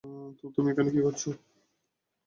তো তুমি এখানে কী করছ?